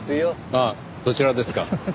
ああそちらですか。